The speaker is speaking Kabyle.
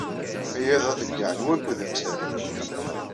Aya d aḍeyyeɛ n wakud amsari.